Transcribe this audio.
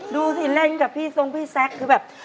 ดูสิเล่นกับพี่ทรงพี่แซคคือแบบ